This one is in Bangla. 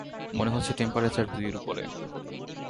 মনে হচ্ছে টেম্পারেচার দুই-এর উপরে।